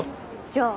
じゃあ。